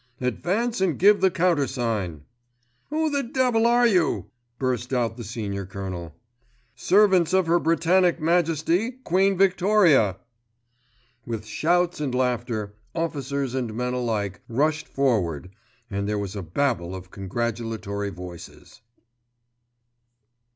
"Advance and give the countersign." "Who the devil are you?" burst out the Senior Colonel. "Servants of Her Britannic Majesty, Queen Victoria." With shouts and laughter officers and men alike rushed forward, and there was a babel of congratulatory voices.